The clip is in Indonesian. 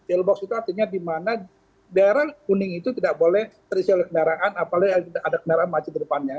deal box itu artinya di mana daerah kuning itu tidak boleh terisi oleh kendaraan apalagi ada kendaraan maju ke depannya